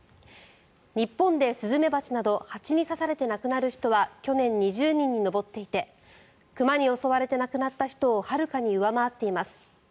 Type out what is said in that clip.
日本でスズメバチなど蜂に刺されて亡くなる人は去年２０人に上っていて熊に襲われて亡くなった人をはるかに上回っています。